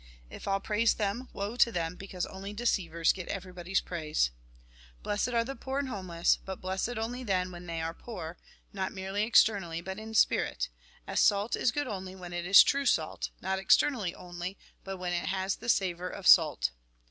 If all praise them, woe to them, because only deceivers get everybody's praise. Blessed are the poor and homeless, but blessed only then, when they are poor, not merely exter nally, but in spirit ; as salt is good only when it is true salt ; not externally only, but when it has the savour of salt.